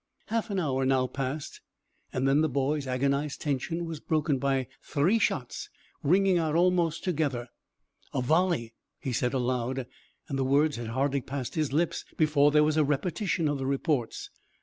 Half an hour now passed, and then the boy's agonised tension was broken by three shots ringing out almost together. "A volley!" he said aloud, and the words had hardly passed his lips before there was a repetition of the reports.